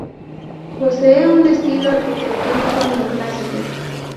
Posee un estilo arquitectónico neoclásico.